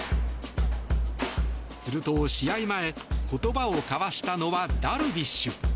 すると、試合前言葉を交わしたのはダルビッシュ。